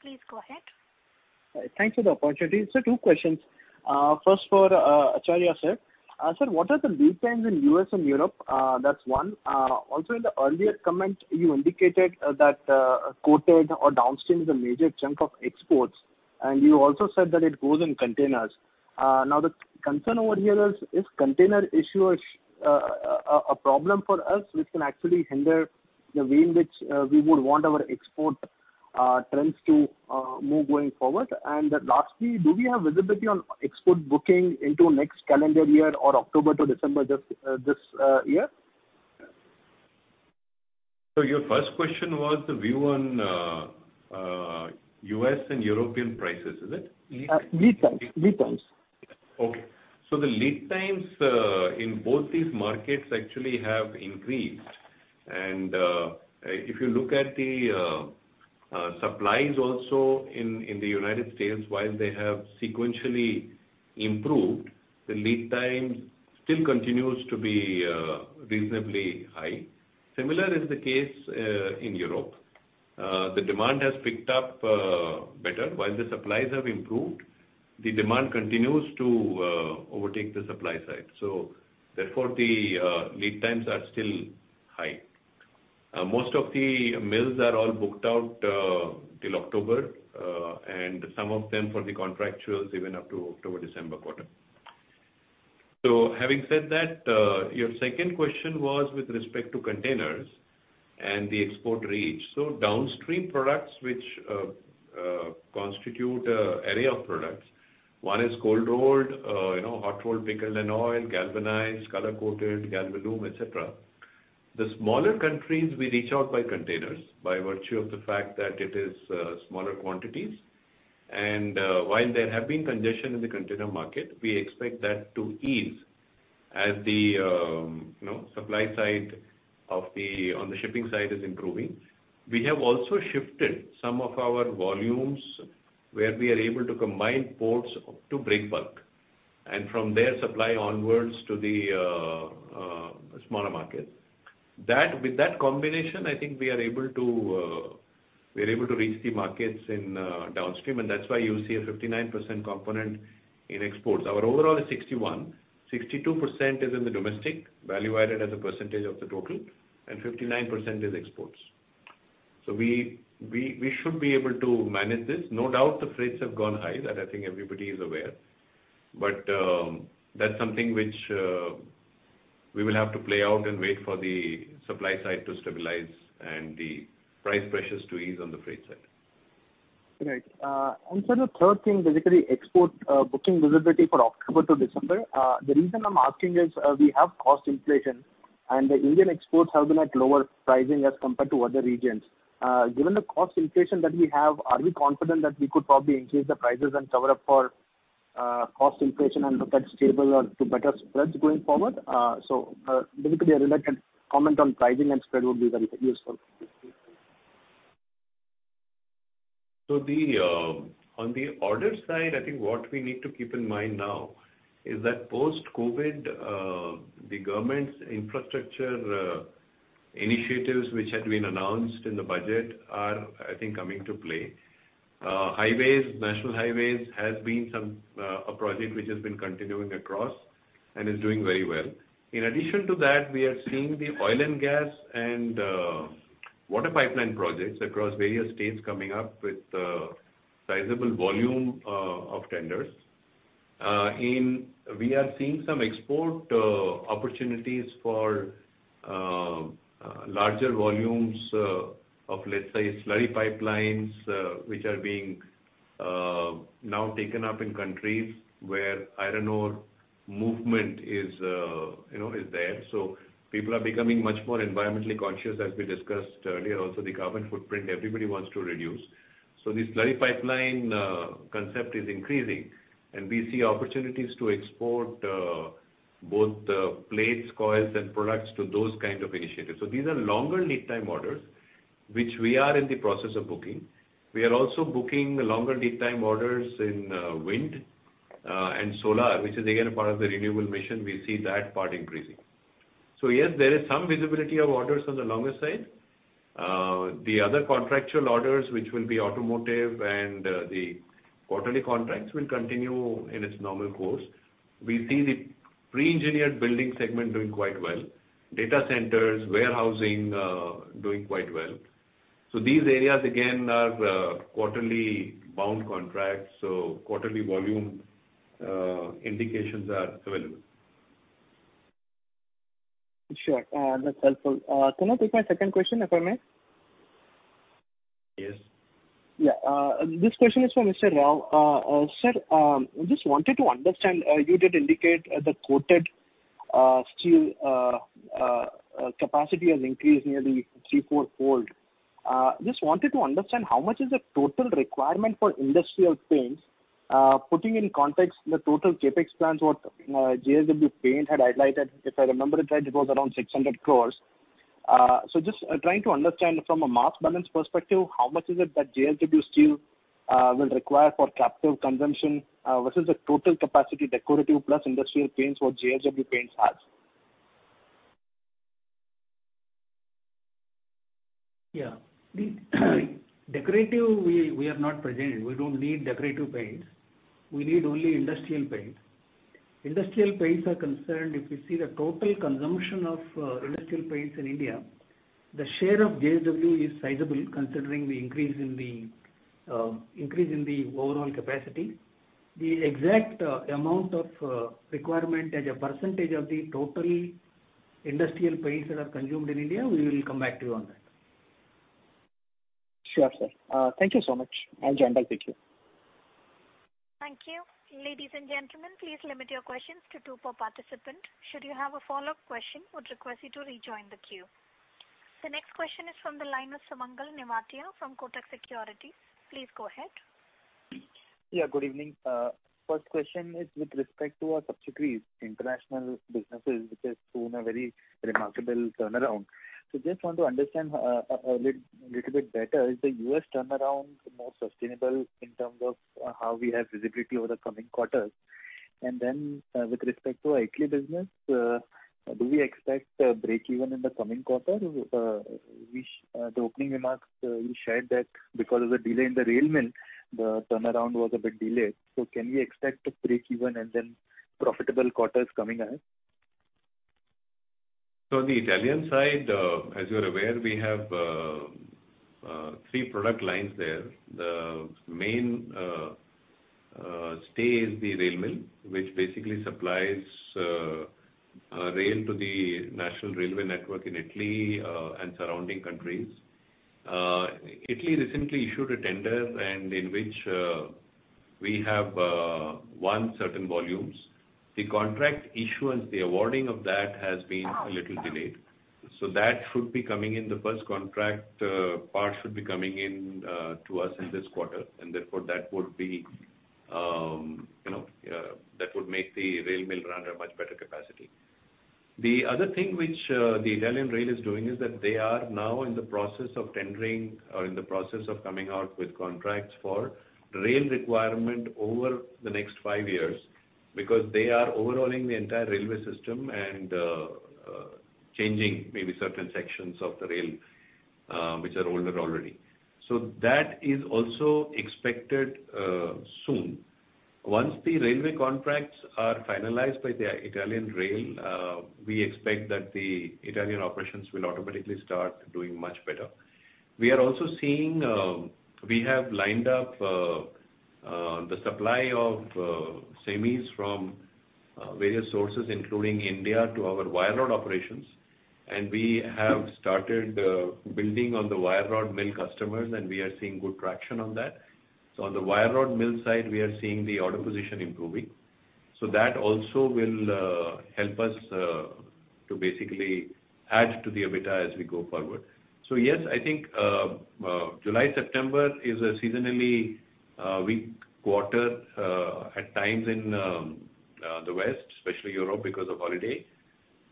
Please go ahead. Thanks for the opportunity. Sir, two questions. First for Acharya Sir. Sir, what are the lead times in U.S. and Europe? That's one. In the earlier comment, you indicated that coated or downstream is a major chunk of exports, and you also said that it goes in containers. The concern over here is container issue a problem for us which can actually hinder the way in which we would want our export trends to move going forward? Lastly, do we have visibility on export booking into next calendar year or October to December this year? Your first question was the view on U.S. and European prices, is it? Lead times. Okay. The lead times in both these markets actually have increased. If you look at the supplies also in the United States, while they have sequentially improved, the lead time still continues to be reasonably high. Similar is the case in Europe. The demand has picked up better while the supplies have improved. The demand continues to overtake the supply side. Therefore the lead times are still high. Most of the mills are all booked out till October, and some of them for the contractuals, even up to October-December quarter. Having said that, your second question was with respect to containers and the export reach. downstream products, which constitute array of products. One is cold rolled, hot rolled, pickled and oiled, galvanized, color-coated, Galvalume, et cetera. The smaller countries we reach out by containers by virtue of the fact that it is smaller quantities. While there have been congestion in the container market, we expect that to ease as the supply side on the shipping side is improving. We have also shifted some of our volumes where we are able to combine ports to break bulk, and from there supply onwards to the smaller markets. With that combination, I think we're able to reach the markets in downstream, and that's why you see a 59% component in exports. Our overall is 61. 62% is in the domestic value-added as a percentage of the total, and 59% is exports. We should be able to manage this. No doubt the freights have gone high. That I think everybody is aware. That's something which we will have to play out and wait for the supply side to stabilize and the price pressures to ease on the freight side. Right. Sir, the third thing, basically export booking visibility for October to December. The reason I am asking is, we have cost inflation and the Indian exports have been at lower pricing as compared to other regions. Given the cost inflation that we have, are we confident that we could probably increase the prices and cover up for cost inflation and look at stable or to better spreads going forward? Basically a relevant comment on pricing and spread would be very useful. On the order side, I think what we need to keep in mind now is that post-COVID, the government's infrastructure initiatives which had been announced in the budget are, I think coming to play. National highways has been a project which has been continuing across and is doing very well. In addition to that, we are seeing the oil and gas and water pipeline projects across various states coming up with sizable volume of tenders. We are seeing some export opportunities for larger volumes of, let's say, slurry pipelines, which are being now taken up in countries where iron ore movement is there. People are becoming much more environmentally conscious, as we discussed earlier. Also, the carbon footprint everybody wants to reduce. The slurry pipeline concept is increasing, and we see opportunities to export both plates, coils, and products to those kind of initiatives. These are longer lead time orders, which we are in the process of booking. We are also booking longer lead time orders in wind and solar, which is again a part of the renewable mission. We see that part increasing. Yes, there is some visibility of orders on the longer side. The other contractual orders, which will be automotive and the quarterly contracts, will continue in its normal course. We see the pre-engineered building segment doing quite well. Data centers, warehousing, doing quite well. These areas, again, are quarterly bound contracts, so quarterly volume indications are available. Sure. That's helpful. Can I take my second question, if I may? Yes. Yeah. This question is for Mr. Rao. Sir, just wanted to understand, you did indicate the coated steel capacity has increased nearly three-fold. Just wanted to understand, how much is the total requirement for industrial paints, putting in context the total CapEx plans what JSW Paints had highlighted, if I remember it right, it was around 600 crore. Just trying to understand from a mass balance perspective, how much is it that JSW Steel will require for captive consumption versus the total capacity, decorative plus industrial paints for JSW Paints has? Yeah. Decorative, we have not presented. We don't need decorative paints. We need only industrial paints. Industrial paints are concerned, if you see the total consumption of industrial paints in India, the share of JSW is sizable considering the increase in the overall capacity. The exact amount of requirement as a percentage of the total industrial paints that are consumed in India, we will come back to you on that. Sure, sir. Thank you so much. I'll join back the queue. Thank you. Ladies and gentlemen, please limit your questions to two per participant. Should you have a follow-up question, would request you to rejoin the queue. The next question is from the line of Sumangal Nevatia from Kotak Securities. Please go ahead. Yeah, good evening. First question is with respect to our subsidiaries, international businesses, which has shown a very remarkable turnaround. Just want to understand a little bit better, is the U.S. turnaround more sustainable in terms of how we have visibility over the coming quarters? With respect to our Italy business, do we expect a break-even in the coming quarter? The opening remarks you shared that because of the delay in the rail mill, the turnaround was a bit delayed. Can we expect a break-even and then profitable quarters coming ahead? The Italian side, as you're aware, we have three product lines there. The main stay is the rail mill, which basically supplies rail to the national railway network in Italy and surrounding countries. Italy recently issued a tender and in which we have won certain volumes. The contract issuance, the awarding of that has been a little delayed. That should be coming in the first contract, part should be coming in to us in this quarter, and therefore that would make the rail mill run at a much better capacity. The other thing which the Italian rail is doing is that they are now in the process of tendering or in the process of coming out with contracts for rail requirement over the next five years because they are overhauling the entire railway system and changing maybe certain sections of the rail which are older already. That is also expected soon. Once the railway contracts are finalized by the Italian rail, we expect that the Italian operations will automatically start doing much better. We have lined up the supply of semis from various sources, including India, to our wire rod operations. We have started building on the wire rod mill customers and we are seeing good traction on that. On the wire rod mill side, we are seeing the order position improving. That also will help us to basically add to the EBITDA as we go forward. Yes, I think July, September is a seasonally weak quarter at times in the West, especially Europe because of holiday.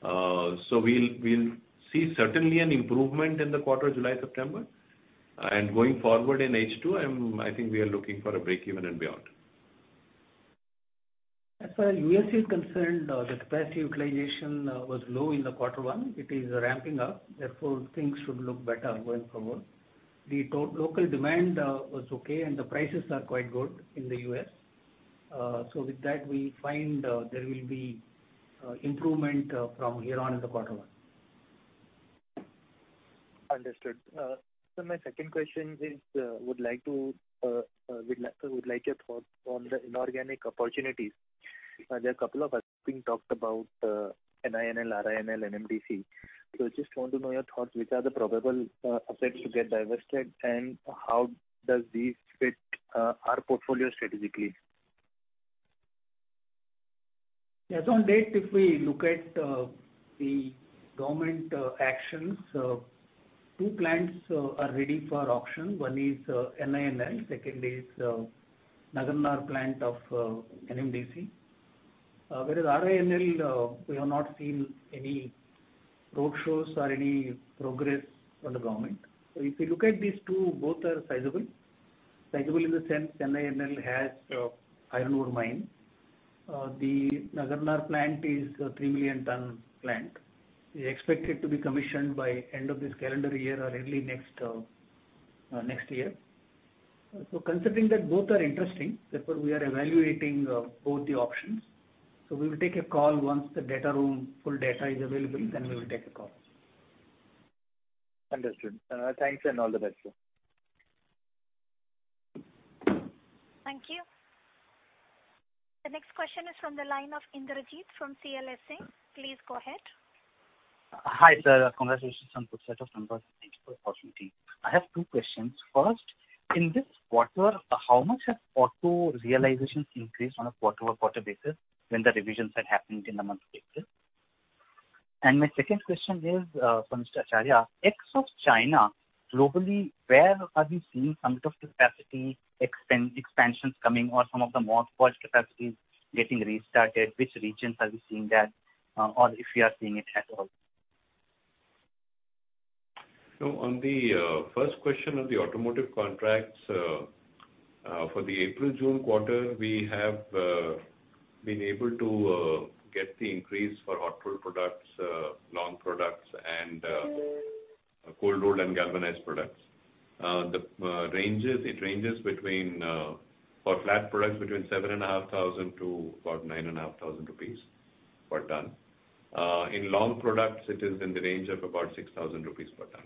We'll see certainly an improvement in the quarter July, September. Going forward in H2, I think we are looking for a break-even and beyond. As far as U.S. is concerned, the capacity utilization was low in the quarter one. It is ramping up, therefore things should look better going forward. The local demand was okay and the prices are quite good in the U.S. With that, we find there will be improvement from here on in the quarter one. Understood. Sir, my second question is would like your thought on the inorganic opportunities. There are a couple of us being talked about, NINL, RINL, NMDC. Just want to know your thoughts, which are the probable assets to get divested and how does these fit our portfolio strategically? As on date, if we look at the government actions, two plants are ready for auction. One is NINL, second is Nagarnar plant of NMDC. Whereas RINL we have not seen any roadshows or any progress from the government. If you look at these two, both are sizable. Sizable in the sense NINL has iron ore mine. The Nagarnar plant is 3 million ton plant, is expected to be commissioned by end of this calendar year or early next year. Considering that both are interesting, therefore we are evaluating both the options. We will take a call once the data room full data is available, then we will take a call. Understood. Thanks and all the best, sir. Thank you. The next question is from the line of Indrajit from CLSA. Please go ahead. Hi, sir. Congratulations on good set of numbers. Thank you for the opportunity. I have two questions. First, in this quarter, how much have auto realizations increased on a quarter-over-quarter basis when the revisions had happened in the month of April? My second question is for Mr. Acharya. Ex of China, globally, where are we seeing some of the capacity expansions coming or some of the mothballed capacities getting restarted? Which regions are we seeing that, or if we are seeing it at all? On the first question on the automotive contracts. For the April-June quarter, we have been able to get the increase for auto products, long products, and cold rolled and galvanized products. It ranges for flat products between 7,500 to about 9,500 rupees per tonne. In long products, it is in the range of about 6,000 rupees per tonne.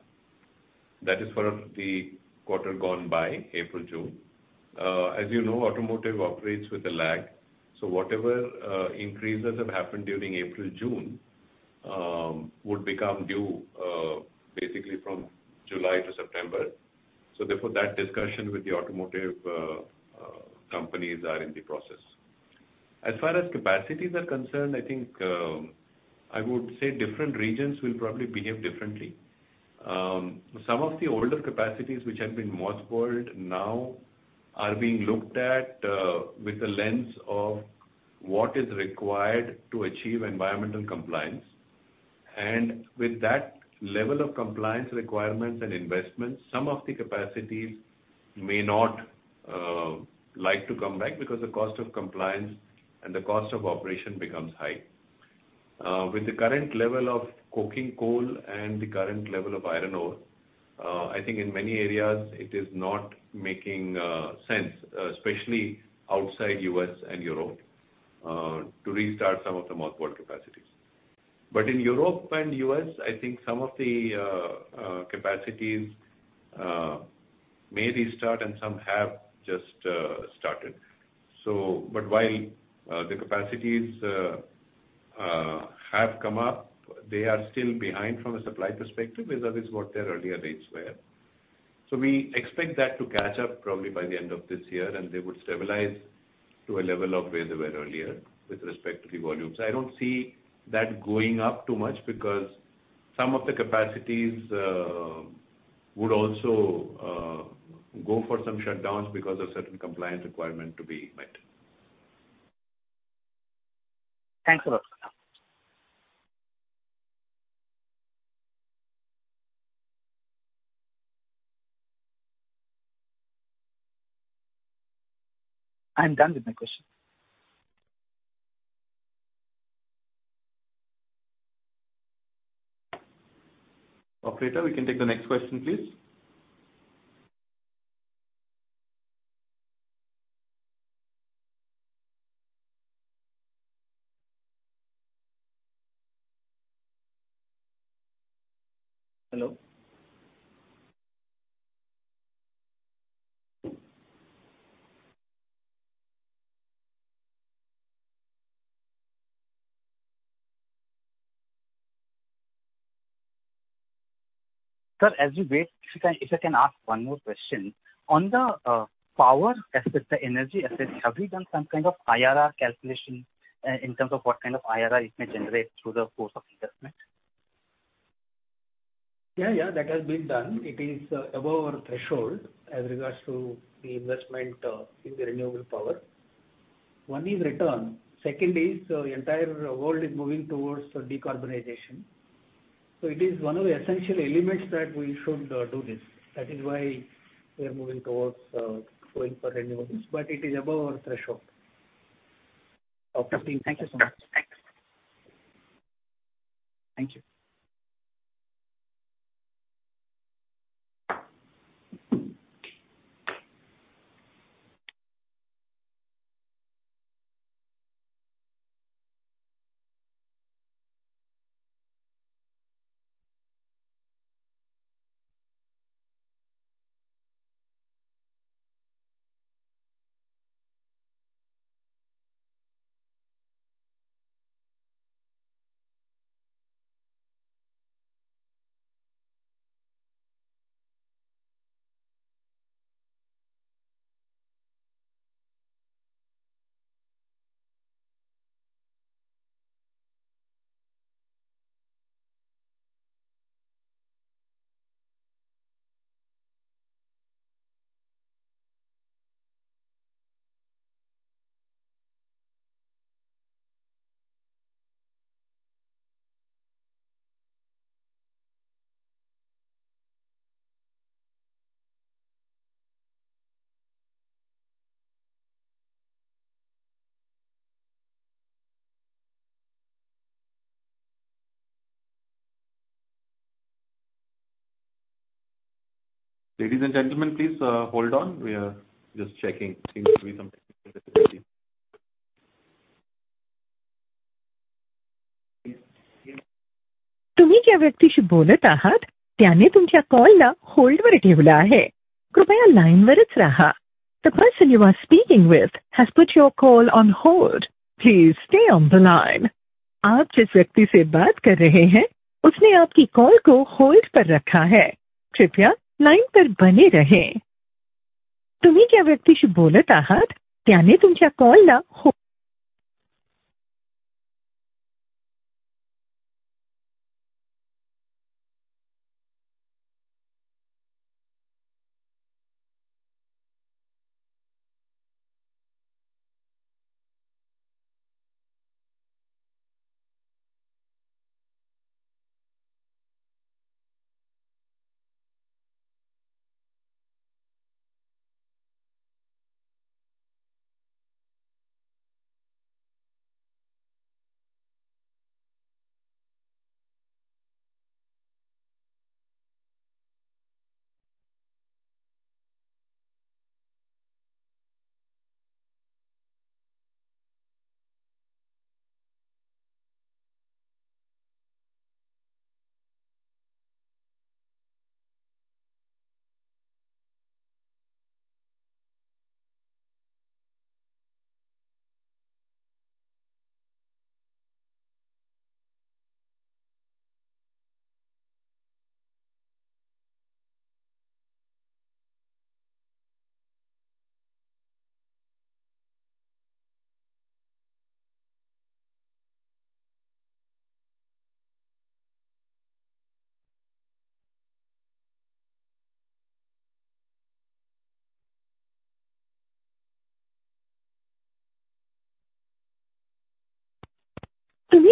That is for the quarter gone by April, June. As you know, automotive operates with a lag, whatever increases have happened during April, June would become due basically from July to September. Therefore that discussion with the automotive companies are in the process. As far as capacities are concerned, I think I would say different regions will probably behave differently. Some of the older capacities which have been mothballed now are being looked at with the lens of what is required to achieve environmental compliance. With that level of compliance requirements and investments, some of the capacities may not like to come back because the cost of compliance and the cost of operation becomes high. With the current level of coking coal and the current level of iron ore, I think in many areas it is not making sense, especially outside U.S. and Europe, to restart some of the mothballed capacities. In Europe and U.S., I think some of the capacities may restart and some have just started. While the capacities have come up, they are still behind from a supply perspective because it's what their earlier rates were. We expect that to catch up probably by the end of this year, and they would stabilize to a level of where they were earlier with respect to the volumes. I don't see that going up too much because some of the capacities would also go for some shutdowns because of certain compliance requirement to be met. Thanks a lot. I am done with my questions. Operator, we can take the next question, please. Hello. Sir, as we wait, if I can ask one more question. On the power aspect, the energy aspect, have we done some kind of IRR calculation in terms of what kind of IRR it may generate through the course of the investment? Yeah. That has been done. It is above our threshold as regards to the investment in the renewable power. One is return. Second is the entire world is moving towards decarbonization. It is one of the essential elements that we should do this. That is why we are moving towards going for renewables, but it is above our threshold. Okay. Thank you so much. Thanks. Thank you. Ladies and gentlemen, please hold on. We are just checking. Seems to be some technical difficulty. Okay.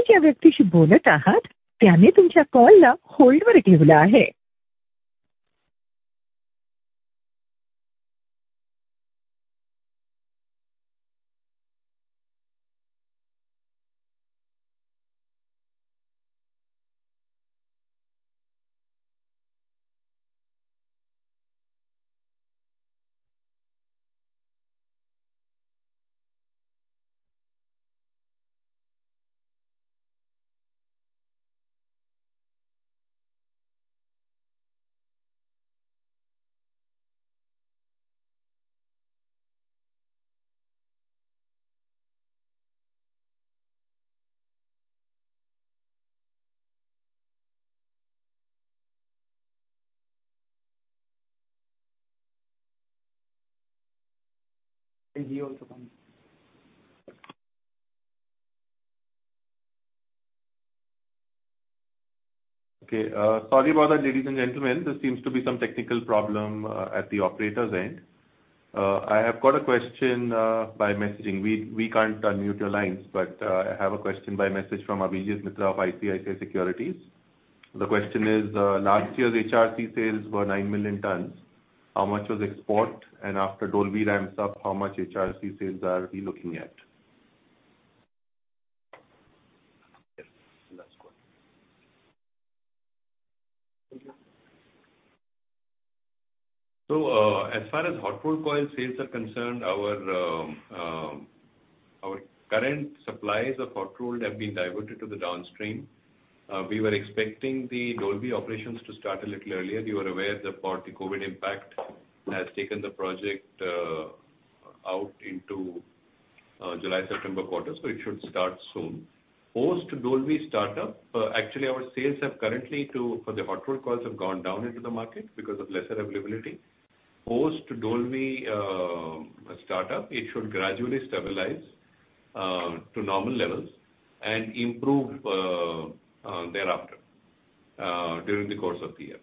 Sorry about that, ladies and gentlemen. There seems to be some technical problem at the operator's end. I have got a question by messaging. We can't unmute your lines, but I have a question by message from Abhijit Mitra of ICICI Securities. The question is, last year's HRC sales were 9 million tonnes. How much was export and after Dolvi ramps up, how much HRC sales are we looking at? Yes. That's correct. Thank you. As far as hot rolled coil sales are concerned, our current supplies of hot rolled have been diverted to the downstream. We were expecting the Dolvi operations to start a little earlier. You are aware that the COVID impact has taken the project out into July-September quarter. It should start soon. Post Dolvi startup, actually our sales have currently, for the hot rolled coils have gone down into the market because of lesser availability. Post Dolvi startup, it should gradually stabilize to normal levels and improve thereafter, during the course of the year.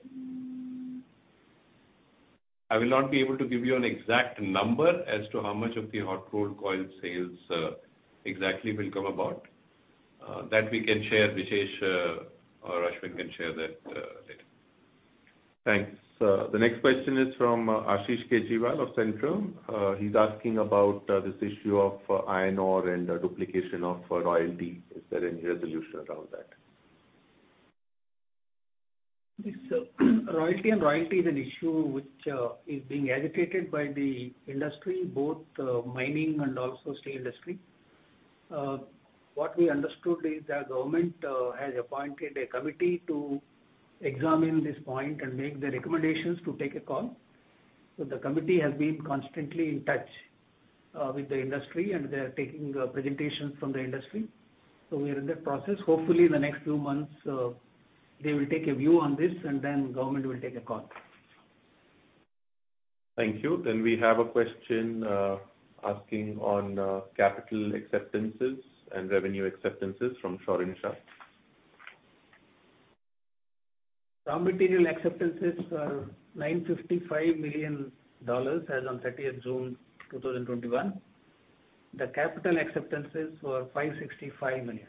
I will not be able to give you an exact number as to how much of the hot rolled coil sales exactly will come about. That we can share, Sesha or Ashwin can share that later. Thanks. The next question is from Ashish Kejriwal of Centrum. He's asking about this issue of iron ore and duplication of royalty. Is there any resolution around that? Yes. Royalty on royalty is an issue which is being agitated by the industry, both mining and also steel industry. What we understood is the government has appointed a committee to examine this point and make the recommendations to take a call. The committee has been constantly in touch with the industry, and they're taking presentations from the industry. We are in that process. Hopefully, in the next two months, they will take a view on this and then government will take a call. Thank you. We have a question, asking on CapEx and OpEx from Saurin Shah. Raw material acceptances are INR 955 million as on 30th June 2021. The capital acceptances were 565 million.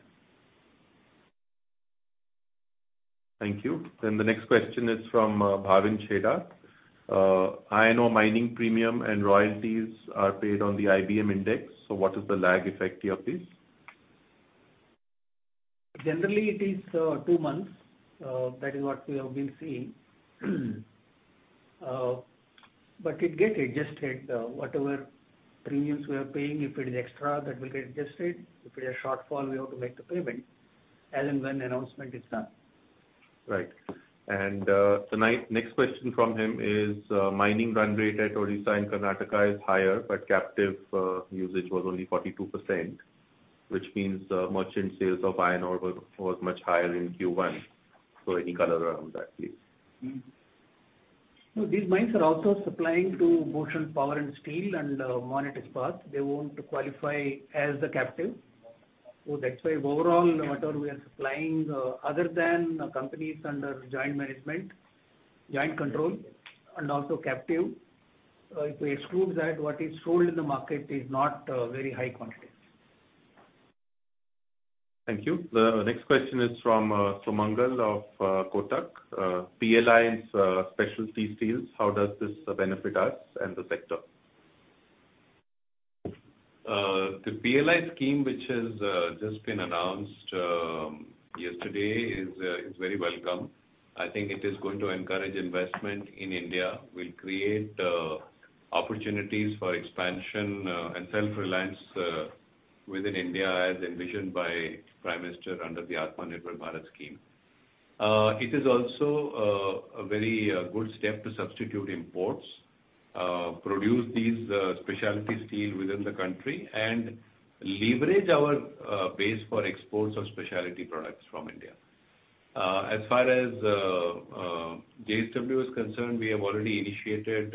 Thank you. The next question is from Bhavin Chheda. Iron ore mining premium and royalties are paid on the IBM index. What is the lag effect here, please? Generally it is two months. That is what we have been seeing. It gets adjusted, whatever premiums we are paying, if it is extra that will get adjusted. If it is a shortfall, we have to make the payment as and when announcement is done. Right. The next question from him is, mining run rate at Odisha and Karnataka is higher, but captive usage was only 42%, which means merchant sales of iron ore was much higher in Q1. Any color around that, please? No. These mines are also supplying to Bhushan Power and Steel and Monnet Ispat. They want to qualify as the captive. That's why overall, whatever we are supplying other than companies under joint management, joint control and also captive, if we exclude that, what is sold in the market is not very high quantity. Thank you. The next question is from Sumangal of Kotak Securities. PLI and specialty steels, how does this benefit us and the sector? The PLI scheme, which has just been announced yesterday is very welcome. I think it is going to encourage investment in India, will create opportunities for expansion and self-reliance within India as envisioned by Prime Minister under the Atmanirbhar Bharat scheme. It is also a very good step to substitute imports, produce these specialty steel within the country and leverage our base for exports of specialty products from India. As far as JSW is concerned, we have already initiated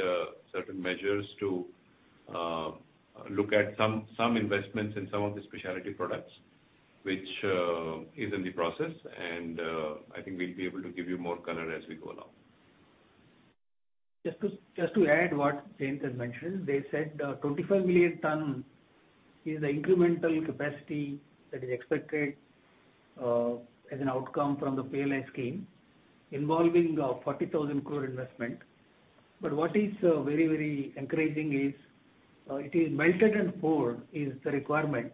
certain measures to look at some investments in some of the specialty products, which is in the process. I think we'll be able to give you more color as we go along. Just to add what Jayant has mentioned. They said 25 million tons is the incremental capacity that is expected as an outcome from the PLI scheme involving 40,000 crore investment. What is very encouraging is, it is melted and poured is the requirement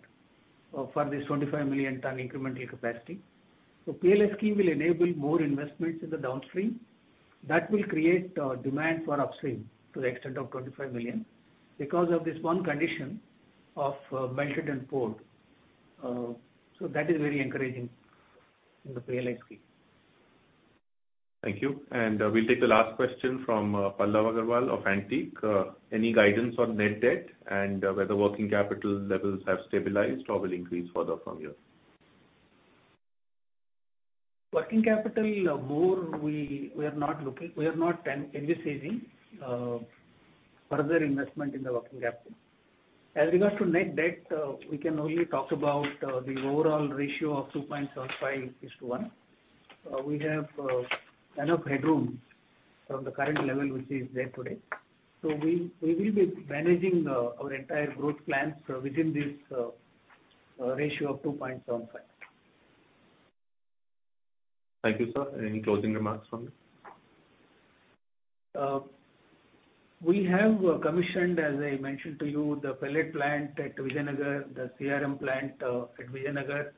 for this 25 million tons incremental capacity. PLI scheme will enable more investments in the downstream. That will create demand for upstream to the extent of 25 million because of this one condition of melted and poured. That is very encouraging in the PLI scheme. Thank you. We'll take the last question from Pallav Agarwal of Antique. Any guidance on net debt and whether working capital levels have stabilized or will increase further from here? We are not envisaging further investment in the working capital. As regards net debt, we can only talk about the overall ratio of 2.75/1. We have enough headroom from the current level, which is there today. We will be managing our entire growth plans within this ratio of 2.75. Thank you, sir. Any closing remarks from you? We have commissioned, as I mentioned to you, the pellet plant at Vijayanagar, the CRM plant at Vijayanagar,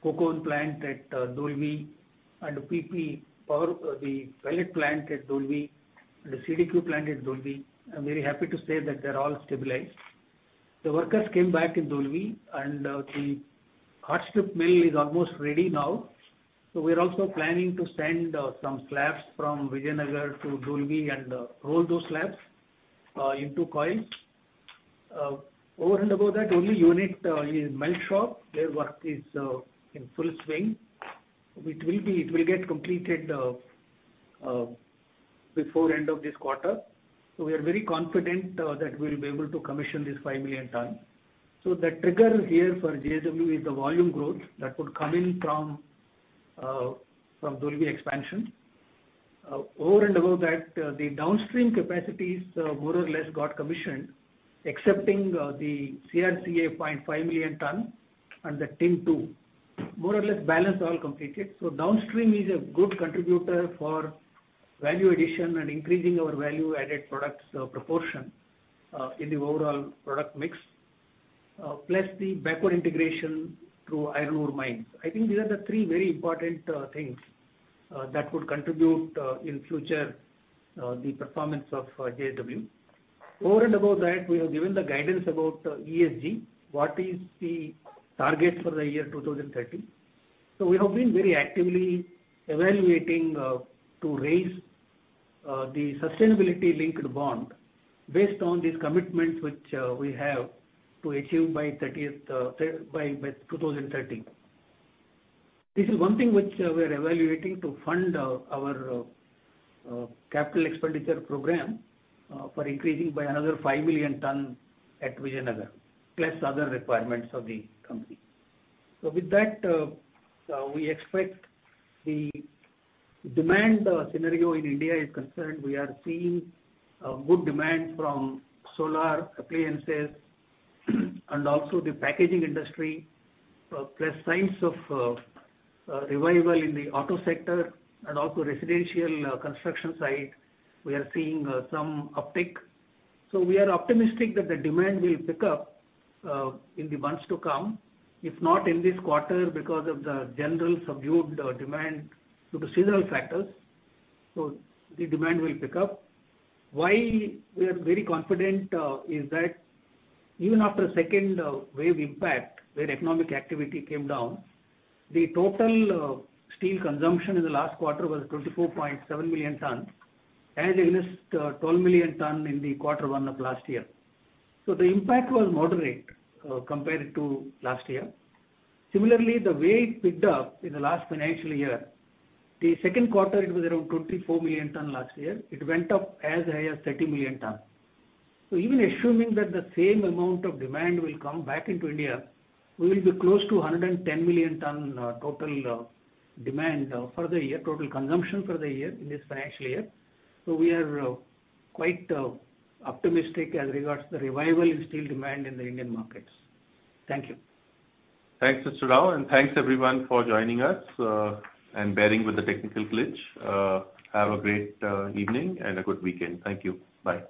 coke oven plant at Dolvi and the pellet plant at Dolvi and the CDQ plant at Dolvi. I'm very happy to say that they're all stabilized. The workers came back in Dolvi and the hot strip mill is almost ready now. We're also planning to send some slabs from Vijayanagar to Dolvi and roll those slabs into coils. Over and above that, one unit in melt shop, their work is in full swing. It will get completed before end of this quarter. We are very confident that we'll be able to commission this 5 million ton. The trigger here for JSW is the volume growth that would come in from Dolvi expansion. The downstream capacities more or less got commissioned, excepting the CRCA 0.5 million ton and the Tinplate Line 2. More or less balance all completed. Downstream is a good contributor for value addition and increasing our value-added products proportion in the overall product mix. The backward integration through iron ore mines. I think these are the three very important things that would contribute in future the performance of JSW. We have given the guidance about ESG. What is the target for the year 2030. We have been very actively evaluating to raise the sustainability linked bond based on these commitments, which we have to achieve by 2030. This is one thing which we are evaluating to fund our capital expenditure program for increasing by another 5 million ton at Vijayanagar, plus other requirements of the company. With that, we expect the demand scenario in India is concerned, we are seeing a good demand from solar appliances and also the packaging industry, plus signs of revival in the auto sector and also residential construction site. We are seeing some uptick. We are optimistic that the demand will pick up in the months to come, if not in this quarter, because of the general subdued demand due to seasonal factors. The demand will pick up. Why we are very confident is that even after second wave impact, where economic activity came down, the total steel consumption in the last quarter was 24.7 million tons, as against 12 million tons in the quarter one of last year. The impact was moderate compared to last year. Similarly, the way it picked up in the last financial year, the second quarter, it was around 24 million ton last year. It went up as high as 30 million ton. Even assuming that the same amount of demand will come back into India, we will be close to 110 million ton total demand for the year, total consumption for the year in this financial year. We are quite optimistic as regards the revival in steel demand in the Indian markets. Thank you. Thanks, Mr. Rao. Thanks everyone for joining us and bearing with the technical glitch. Have a great evening and a good weekend. Thank you. Bye.